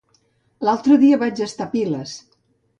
L'altre dia vaig estar a Piles.